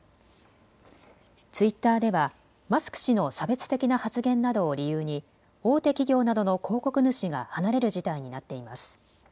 ツイッターではマスク氏の差別的な発言などを理由に大手企業などの広告主が離れる事態になっています。